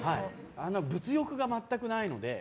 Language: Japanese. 物欲が全くないので。